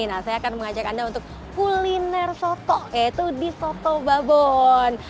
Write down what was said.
nah saya akan mengajak anda untuk kuliner soto yaitu di soto babon